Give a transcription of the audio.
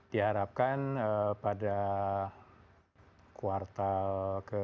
diharapkan pada kuartal